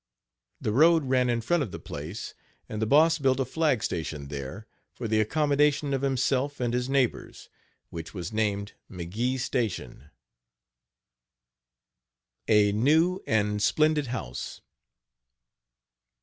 The road ran in front of the place and the Boss built a flag station there, for the accommodation of himself and his neighbors, which was named McGee Station. Page 60 A NEW AND SPLENDID HOUSE.